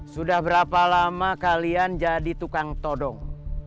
sudah berapa lama kalian jadi tukang todong